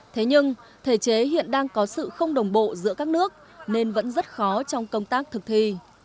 thế nhưng thể chế hiện đang có sự không đồng bộ giữa các nước nên vẫn rất khó trong công tác thực thi